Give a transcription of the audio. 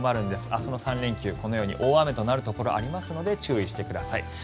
明日からの３連休このように大雨となるところがありますので注意してください。